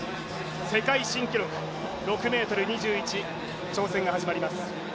世界新記録６ｍ２１、挑戦が始まります。